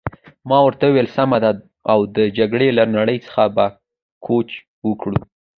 ما ورته وویل: سمه ده، او د جګړې له نړۍ څخه به کوچ وکړو.